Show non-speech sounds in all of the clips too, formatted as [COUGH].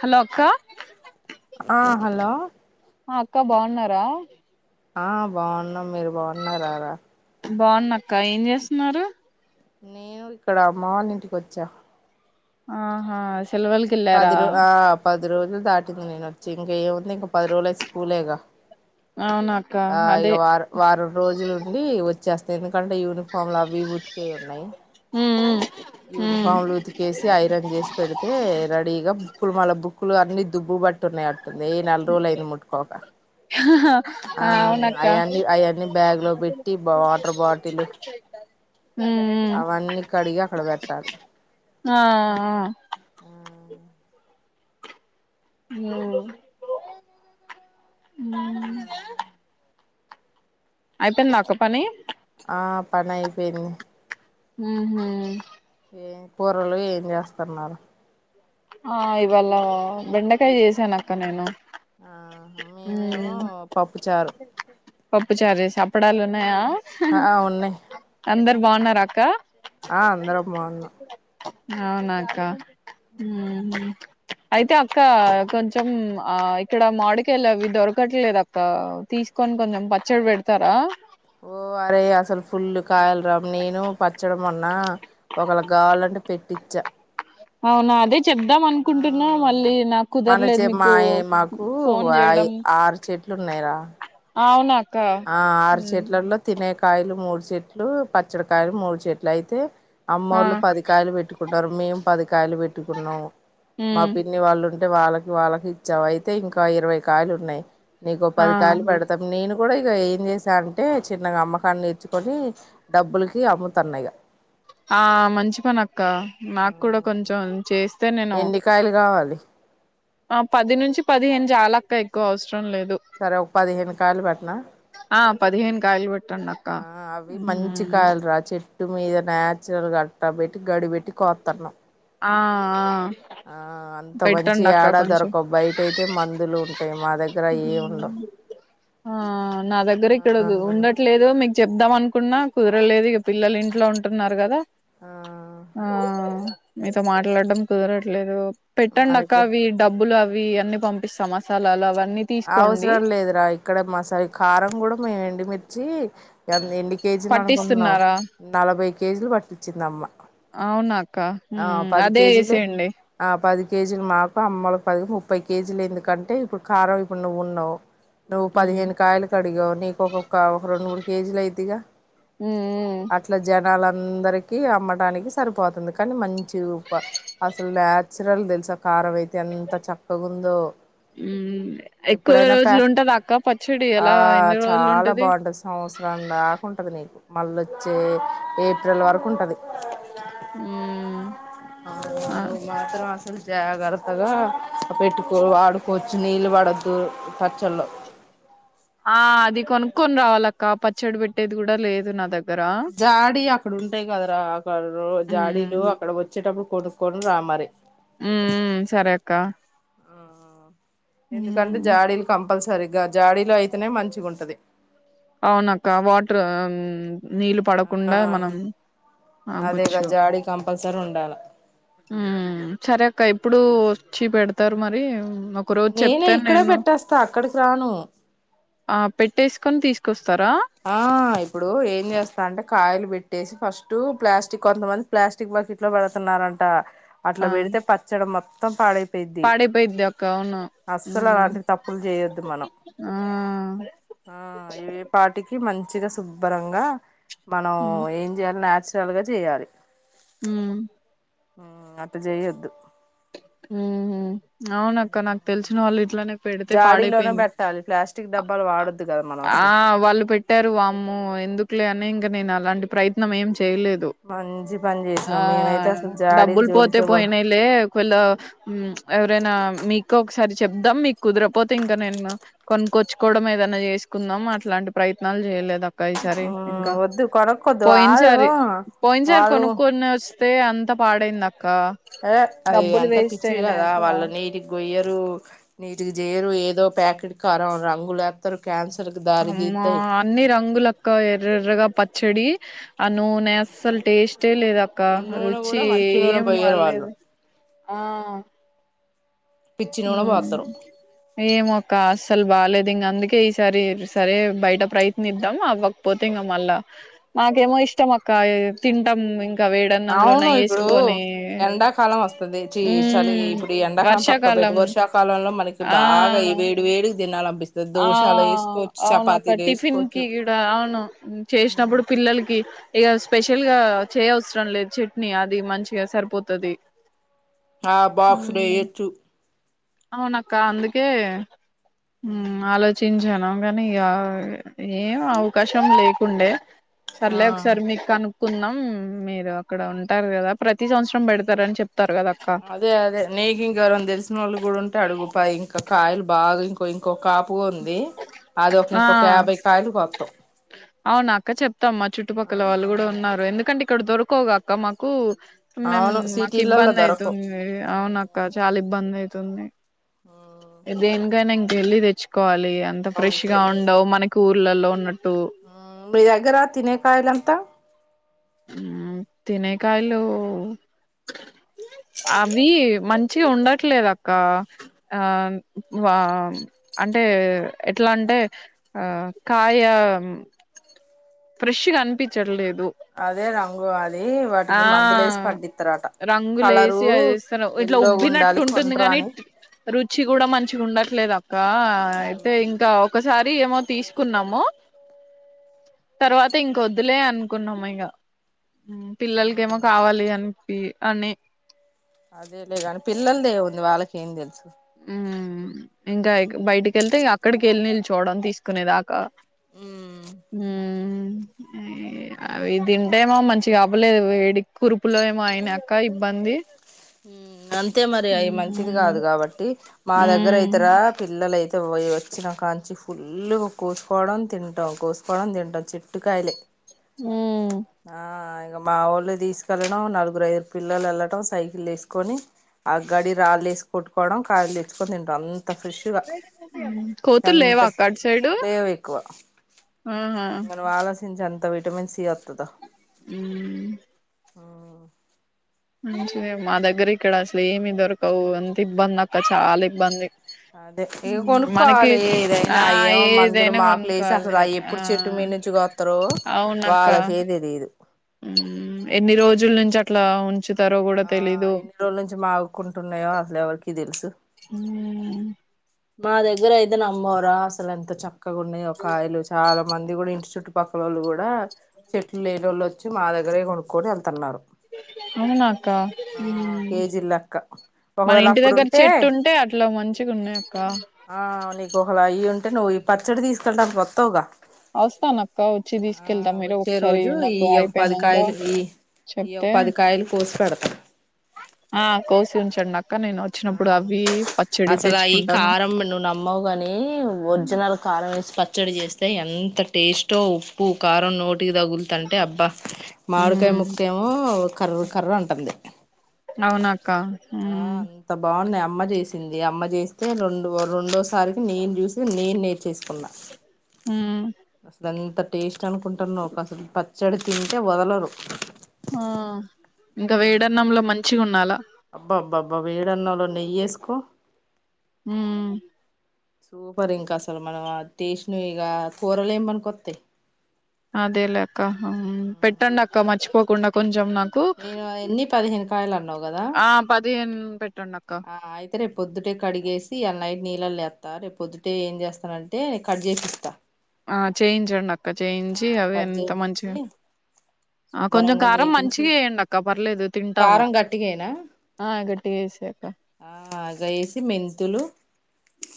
Hello అక్క ఆ hello ఆ అక్క బాగున్నారా ఆ బాగున్నాం మీరు బాగున్నారు రారా బాగున్నా అక్క ఏం చేస్తున్నారు నేను ఇక్కడ అమ్మ వాళ్ళ ఇంటికి వచ్చా ఆహా సెలవులకి వెళ్ళారా పది ర ఆ పది రజ దాటింది నేను వచ్చి ఇంక ఏముంది ఇంక పది రోజులు స్కూలేగా అవునక్క ఆ ఇక అదే వారం వారం రోజులుండి వచ్చ చేస్తే కంటే యూనిఫామ్ లు అవి ఉతికేవి ఉన్నాయి ఉమ్ ఉమ్ యూనిఫామ్లు ఉతికేసి ఐరన్ చేసి పెడితే రెడీగా బుక్లు మళ్ళ బుక్కులు అన్ని దుబ్బుబట్టున్నా ంది నెల రోజులు అయింది ముట్టుకోక ఆ అవన్నీ అవన్నీ బ్యాగ్ లో పెట్టి వాటర్ బాటిల్ ఉమ్ అవన్నీ కడిగి అక్కడ పెట్టారు ఆ ఆ అ అయిపోయింది మక్క పని ఆ పనయిపోయింది హ హ ఏ కూరలు ఏం చేస్తున్నారు ఆ ఇవళ బెండకాయ చేేస్త క నేను ఆ మేమేమో పప్పుచారు పచారే స అప్పుడాలు ఉన్నాయా ఆ ఉన్నాయి అంద బగునార అక్క ఆ అందరం బాగున్నా అవునాక్క అయితే అక్క కొంచెం ఆ ఇక్కడ మాడికళవి దొరకట్లేదు అక్క తీసుకొని కొంచెం పచ్చడి పెడతారా ఓ అరే అసలు ఫుల్లు కాయలరాము నేను పచ్చడం అన్నా ఒకళ గాలుంటే పెట్టించా అవునా అదే చెద్దాం అనుకుంటున్నా మళ్ళీ నాకు మన కుదరలేదు చె మా మీకు మాకు ఫోన్ చేయడం ఆరుచ ఎట్లున్నాయిరా అవునా ఆ ఆరుచట్లల్లో తినేక కాయలు మూడు చెట్లు పచ్చడికాయలు మూడు చెట్లు అయితే ఆ అమ్మఊర్లు పదికాయలు పెట్టుకు ొర్మయం పది కాయలు పెట్టుకున్నాం మా ఉమ్ పిన్ని వాళ్ళుంటే అంటే వాళ్ళకి వాళ్ళకి ఇచ్చావ అయితే ఇంకా ఇరవై కాయలు ఉన్నాయి నీకు ఆ పది కాయలు పెడతాం నేను కూడా ఇక ఏం చేసా అంటే చిన్నగా అమ్మకాన్ని నేర్చుకొని డబ్బులకి అమ్ముతున్నా ఇక ఆ మంచి పని ఇంకా నాకు కూడా కొంచెం చెస్ ఎంన్నికాయలు కావాలి ఆ పది నుంచి పదిహేను చాలక్క ఎక్కువ అవసం సరే ఒక పదిహేను కాయలు పెట్నా ఆ పదిహేను కాయలు పెట్టండి అక్క ఆ అవి మంచి ఉమ్ కాయలు రా చెట్ ట్టు మీద నాచురల్ గా అట్టా పెట్టి గడి పెట్టి కోత్తన్నాం ఆ ఆ ఆ అంత పెట్టండి మంచియి అక్క యాడ కొంచెం దొరకవ్ బయట అయితే మందులు ఉంటాయి మా దగ్గర ఏమి ఉండవు ఆ నా దగ్గర ఇక్కడ ఆ ఉండట్లేదు మీకు చెప్దాం అనుకున్నా కుదరలేదు ఇక పిల్లలు ఇంట్లో ఉంటున్నారు కదా ఆ ఆ మీతో మాట్లాడటం కుదరట్లేదు పెట్టండక్క మనకి అవి డబ్బులు అవి వీయన్ని పంపిస్తా మసాలాలు అవ అవసరం లేదురా ఇక్కడ మాసరి కారం కూడా మేమేండిమిర్ చీ ఎన్ ఎన్ని కేజీలు అనుకుంటున్నావ్ పట్టిస్తున్నారా నలభై కేజీలు పట్టిచ్చిందమ్మ క మ్మ్ అదే ఏసేయండి ఆ పది కేజీలు మాకు అమ్మలకు పది ముప్పై కేజీలు ఎందుకంటే ఇప్పుడు కారం ఇప్పుడు నువ్వున్నావు నువ్ ఉమ్ పదిహేను కాయలకడిగావ్ నీకు ఒకొక్క ఒక రెండు మూడు కేజీలు అయిదిగా హ్మ్ ళందరిక అమ్మటనికి సరిపోతుంది కానీ మంచి అసలు న్యాచురల్ తెలుసా కారం అయితే ఎంత చక్కగాందో ఉమ్. ఎక్కువ ఎప్పుడైనా ప రోజులు ఉంటదా అక్క పచ్చడి ఆ ఎలా ఎన్ని రోజులు చాలా ఉంటది బాగుంటది సంవత్సరం నాకుంటది నీకు మళ్ళ వచ్చే ఏప్రిల్ వరకు ఉంటుంది ఉమ్ అ ఆ అ మాత్రం అసలు జాగ్రత్తగా పెట్టుకో ఆడుకోవచ్చు నీళ్ళు పడద్దు పచ్చల్లో ఆ అది కొనుక్కొని రావాలక్క పచ్చడి పెట్టేది కూడా లేదు నా దగ్గర జాడీ అక్కడ ఉంటాయి కదరా అక్కడ జాడీలు ఉమ్ అక్కడ వచ్చేటప్పుడు కొడుకోడు రామరి హ్మ్ సరే అక్క హ్మ్ ఎందుకంటే ఉమ్ జాడీలు కంపల్సర సరిగ్గా జాడీలో అయితేనే మంచిగా ఉంటది అవునాక్క వాటర్ నీళ్లు ఆ పడకుండా మనం అదేగా ఆపచ్చు జాడీ కంపల్సరీ ఉండాల చర ఒక ఎప్పుడు వచ్చి పెడతారు మరి ఒక రోజు నేనే చెప్తాను ఇక్కడే నేను పెట్టేస్తా అక్కడికి రాను ఆ పెట్టేసుకొని తీసుకు ఎ వస్తారా ఆ ఇప్పుడు ఏం చేస్తా అంటే కాయలు పెట్టేసి ఫస్ట్ ప్లాస్టిక్ కొంతమంది ప్లాస్టిక్ బకెట్ లో పెడుతున్నారంట అట్లా పెడితే పచ్చడం పాాలే పాడేపోయితది అక్క అవును అస్సలు అలాంటి తప్పులు చేయొద్దు మనం ఆ ఆ ఇవే పాటికి మంచిగా శుభ్రంగా మనం ఉమ్ ఏం చేయాలి నాచ ాలుగా చేయ్యాలి హ అటు చెయద్దు ఉ అవునక్క నాకు తెలిసిన వాళ్ళు ఇట్లనే పెడితే జాడీలోనే పాడైపోయింది పెట్టాలి ప్లాస్టిక్ డబ్బాలు వాడొద్దు కదా మనం ఆ అసలు వాళ్ళు పెట్టారు వామ్మ ఎందుకులే ఇం నేను అలాంటి ప్రయత్నం ఏం చేయలేదు మంచి పని ఆ చేసినాం మేమైతే అసలు జాడీలు డబ్బులు పోతే జోలికే పో పోయినాలే ఎవరైనా మీకు ఒకసారి చెప్దాం మీకు కుదరపోతే ఇంకా నేను కొనుక్కొచ్చుకోవడం ఏదైనా చేసుకుందాం అట్లాంటి ప్రయత్నాలు చేయలేదు ఈసారి మ్మ్ ఇంకా వద్దు కొనక్కొద్దు పోయిన వాళ్ళు సారి పోయినసరి వాళ్ళు కొనుక్కని వ ే అంత పాడైంది నాకు క్క అది ఎంత పిచ్చివి కదా వాళ్ళ నీటికి గయ్య న చే ఏదో పట్ కారం రు అమ్మా అన్ని రంగులక్క ఎర్రెర్రగా పచ్చడి అ నూ నెస్సల్ టేస్ట్ వట్టే లేదు అక్క నూనె రుచి కూడా మంచి నూనె ఏం పోయ్యరు వాళ్ళు అర్లేదు ఆ పిచ్చి నూనె పోతారు ఏమ ఒక అసలు బాలేదు ఇంకా అందుకే ఈసారి సరే బయట ప్రయత్నిద్దాం అవ్వకపోతే ఇంకా మళ్ళా మాకేమో ఇష్టం అక్క తింటాం ఇంకా వేడన్నంలో అవును ఇప్పుడు నెయ్యేసుకొని ఎండాకాలం వస్తుంది చ చలి మ్మ్ ఇప్పుడు ఎండాకాలం పక్క ఒకబటి వర్షాకాలం వర్షాకాలంలో మనకి బాగా ఈ ఆ వేడి వేడి నా ఆ అవును అక్క టిఫిన్ కి వేసుకోవచ్చు ఇక్కడ అవును చేసినప్పుడు పిల్లలకి ఇక స్పెషల్ గా చేయ అవసరం లేదు చట్నీ అది మంచిగా సరిపోతుది ఆ బాక్సలో ఏచు అవునక్క అందుకే మ్మ్ ఆలోచించాను అవును గాని ఇక ఏం అవకాశం లేకుండే ఆ సర్లే ఒకసారి మీకు కను కుందాం మీరు అక్కడ ఉంటారు కదా ప్రతి సంవత్సరం పెడతారని చెప్ అదే అదే నీకు ఇంక ఎవరున తెలిసిన వాళ్ళు కూడా ఉంటే అడుగుపా ఇంకా కాయలు బాగా ఇంకో ఇంకొ కా పువుంది అది ఒక ఆ ఇంకొక యాభై కాయలు కోత్తం అవును అక్క చెప్తాం మా ఆ చుట్టుపక్కల వాళ్ళు కూడా ఉన్నారు ఎందుకంటే ఇక్కడ దొరకవుగాక్క మాకు మేం అవును మాకు సిటీలల్ల ఇబ్బంది దొరకవు అయితుంది అవునక్క చాలా ఇబ్బంది అయి తుంది దేనికనా ఇంక వెళ్ళి తెచ్చుకోవాలి ఇఅంత ఫ్రెష్ గా అంతే ఉండవు మనకి ఊర్ల ల్లో ఉన్నట్టు మ్మ్ మీ దగ్గర తినే కాయలు ఎంత మ్మ్ తినేకాయలు అవి మంచిగా ఉండట్లేదు అక్క ఆమ్ వాం అంటే ఎట్లా అంటే ఆ కాయం ఫ్రెష్ గా అనిపించట్లే దు అదే రంగు అది ఆ వాటికి మందులేసి పండిత్తరట రంగులే కలరు వేసి అదేస్తారు ఇట్లా ఎల్లోగా ఉబ్బినట్టు ఉండాలి ఉంటుంది, కొంట్రు కాని అని రుచి కూడా మంచిగా ఉండట్లేదు, అ కా అయితే ఇంకా ఒకసారి ఏమో తీసుకున్నాము తర్వాత ఇంకొద్దులే అనుకున్నాం ఐంగా ఉమ్ పిల్లలకేమో కావాలి అన్ ఈ అని అదేలేగాని పిల్లలదేముంది వాళ్ళకేం తెలుసు ఉ ఇంకా బయటికెళ్తే అక్కడికి వెళ్ళి నిల్చోడం తీసుకునేదాకా ఉమ్ ఊ [UNINTELLIGIBLE] అంతే అవి తింటేమో మంచి తి అవ్వలేదు వేడి కురుపులో ఏమో అయినాయి అక్క ఇబ్బంది ఊ అంతే మరి అయి మంచిది కాదు మ్మ్ కాబట్టి తి మా దగ్గర మ్మ్ అయితేరా పిల్లల దైతే వోయి వచ్చినా కాంచి ఫుల్లు కోసుకోవడం తింటం కోసుకోవడం తింటం చెట్టు కాయలే మ్మ్ ఆ ఇగ మా వోళ్ళు తీసుకెళ్ళడం నలుగురు ఐదు పిల్లలెళ్లటం సై లేసుకొని ఆ గడి రాళ్ళేసి కొట్టుకోవడం కాయలు తెచ్చు కొని తింటాం అంత ఫ్రెష్ గా కోతులు లేవా ఎంత అక్క అటు సైడు తేవ్ ఎక్కువ ఆహా మనం ఆలస్ జించి అంత విటమన్ సి అత్తదో అ ఆ మంచి మా దగ్గర ఇక్కడ అసలు ఏమి దొరకవు ఎంత ఇబ్బంది అక్క చాలా ఇబ్బంది అదే ఇక మనకి కొనుక్కోవాలి ఆ ఏదైనా ఏమో అందరు ఏదైనా మాకు లేసి అసలు కొనుక్కోవాలి అ ఆ ఎప్పుడు చెట్టు మీద నుంచికొస్తారో అవునక్క వాళ్ళకేది తెలిదు ఎన్ని రోజుల నుంచి అట్లా ఉంచు ఆ ఎన్ని రోజుల నుంచి మాగుకుంటున్నాయో అసలు ఎవరికి తెలుసు హ మా దగ్గర అయితే నమ్మరా అసలు ఎంత చ చక్కకు ఒకయలు చాలా మంది కూడా ఇంటి చుట్టటు పక్కల వాళ్ళు కూడా చెట్లు లేని వాళ్ళు వచ్చి మా దగ్గరే కొనుక్కొని వెళ్తున్నారు అవునాక ఆ కేజీలు లెక్క మన ఒకవేళ ఇంటి దగ్గర అప్పుడుంటే చెట్టు ఉంటే అట్లా మంచిగా ఉండ ఆ ని కుహలాయి నుయి పర్చడి తీసుకెడా పొత్తవుగా వస్తాన అక్క వచ్చి తీసుకెళ్తాం మీరు వచ్చే ఒకసారి రోజు ఈ నాకు ఒక పది అయిపోయినాక కాయలు ఈ ఈ ఒక చెప్తే పది కాయలు కోసి పెడతా ఆ కోసి ఉంచండి అక్క నేను ఆ వచ్చినప్పుడు అవి పచ్చడి అసలు ఈ తెచ్చుకుంటాను కారం నువ్వు నమ్మవు కాని ఒరిజినల్ కారం వేసి పచ్చ పచ్చడి చేస్తే ఎంత టేస్ట్ో ఉప్పు కారం నోటి ట్ తగులుతంటే అబ్బా మాడికాయ ఉమ్, ముక్క ఏమో కర్ర కర్ర అంటుంది అవునక్క ఉమ్ ఆ బావున్నా అమ్మ చేసింది అమ్మ చేస్తే రెండు రెండోసారికి నేను చూసి నేను నేర్చేసుకున్నా హ అసలు ఎంత టేస్ట్ అనుకుంటున్నావు అసలు పచ్చడి తింటే వదలరు ఆ ఇంకా వేడన్నంలో మంచిగా ఉండాలా అబ్బా అబ్బా అబ్బా వేడన్నాలో నెయ్యేసుకో హ సూపర్ ఇంకా అసలు మనం టేస్ ను ఇక కూరలు ఏమనుకొస్తాయి అదేలా అక్క పెట్టండి అక్క మర్చిపో పోకుండా కొంచెం నాకు నేను ఎన్ని పదిహేను కాయలు అన్నావు కదా ఆ పదిహేను పెట్టండి అక్క ఆ అయితే రే పొద్దుటే కడిగేసి అ నైట్ న పిల్లలుస్తా రే పొద్టే ఏం చేస్తానంటే నను కట్ చేసి ఇస్తా ఆ చేయించండి అక్క చేయించి అవి కట్ ఎంత చేపిచ్చి మంచిగా ఆ కొంచెం శుభ్రంగా కారం నీటిగా తూ మంచిగా వయండి అక్క పర్లేదు తింటాము కారం గట్టిగేయనా ఆ గట్టి వేసి ఆ ఆగ వేసి మెంతులు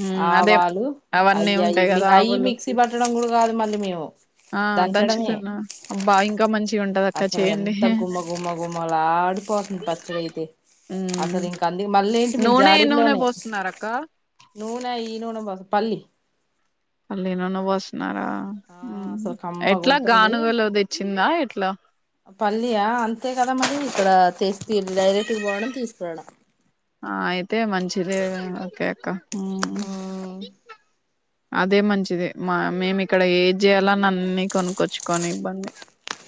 హమ్ అదే ఆవాలు అవన్నీ అయి అయి ఉంటాయి మీ గదా అయి ఆవులు మిక్సీ పట్టడం కూడా కాదు మళ్ళీ మేము ఆ దంచడమే దంచుతున్నా అబ్బా ఇంక మంచ్ అసలు ఎంత గుమ గుమ గుమలాడిపోతుంది పచ్చడైతే హ్మ్ అసలు ఇంక అల్లి మళ్ళీ ఏంటిది నూనె ఏ నూనె జాడిల్లోనే పోస్తున్నారు అక్క నూనే ఈనూనె బస్ పల్లి పల్లినన్ వస్ ఆ అసలు కమ్మగా ఉంటుంది గానుగలో తెచ్చిందా ఎట్లా పల్లియా అంతే గదా మరి ఇక్కడా తెస్ ఆ ఐతే మంచిదే ఓకె అక్క హ్మ్ హమ్ అదే మంచిది మ మేమిక్కడ ఏది చేయాలన్న అన్ని కొనుక్కొచ్చుకని ఇబ్బంది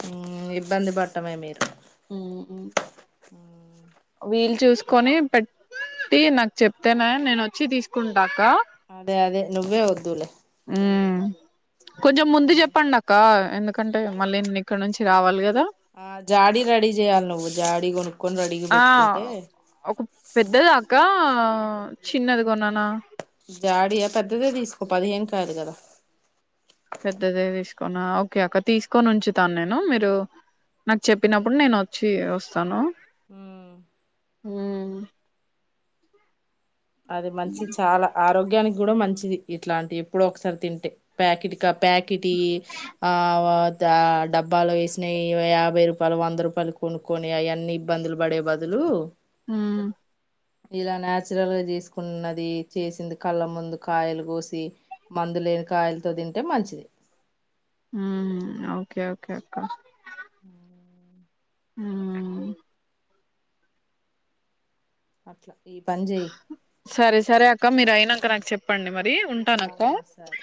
హమ్ ఇబ్బంది పట్టమే మీరు హ్మ్ హ్మ్. ఉమ్ వీలు చూస్కోని పెట్టి నాక్ చెప్తేనే నేను ఒచ్చి తీస్కుంటా దె అదే నువ్వే ద్ధూలే [INAUDIBLE] కొంచం ముందు చెప్పండి అక్కా ఎందుకంటే మళ్ళీ న్ ఇక్కనుంచి రావాలి గద్ ఆ జాడి రెడి చేయ్యాలి నువ్వు జాడి కొన్ ఆ ఒక పెద్దదాక్కా ఆ చిన్నది కొననా కరుగద పెద్దదే తీసుకోనా ఒకె అక్క తీస్కొని ఉంచుతాను నేను మీరు నాకు చెప్పినప్పుడు నేను ఒచ్చి ఒస్తను ఉమ్ హమ్ అది మంచిద్ చాలా ఆరోగ్యాని గుడ మంచిది ఇట్లాంటియి ఎప్పుడో ఒకసారి తింటే ప్యాకెట్ క ప్యాకెటీయి ఆ దా డబ్బాలో ఎసినయి యాభై రూపాలు, వంద రూపాలు కొనుక్కొని అయన్ని ఇబ్బందులు బడే బదులు ఉమ్ ఇలా నాయాచురల్గా చేస్కున్నది చేసింది కళ్ళ ముందు కాయలు కోసి, మందు లేని కాయలతో తింటే మంచిది హమ్ ఒకేఓకే అక్క [INAUDIBLE] ఆఉ అట్ల సరే సరే అక్క మీరైనా క నాకు చెప్పండి మర్ డి ఆ ఉంటానక్క సరే